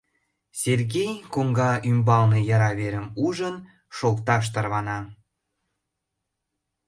Сергей, коҥга ӱмбалне яра верым ужын, шолташ тарвана.